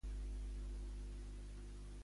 Per què havia abandonat el càrrec Junqueras?